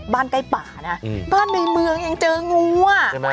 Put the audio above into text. ใกล้ป่านะบ้านในเมืองยังเจองูอ่ะใช่ไหม